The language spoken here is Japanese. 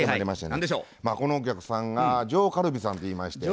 このお客さんが上カルビさんていいまして。